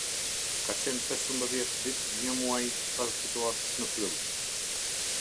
Ka qenë pesëmbëdhjetë ditë një muaj pas situatës në pyll.